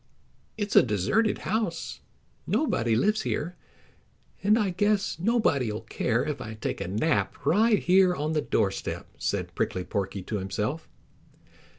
"It's a deserted house. Nobody lives here, and I guess nobody'll care if I take a nap right here on the doorstep," said Prickly Porky to himself.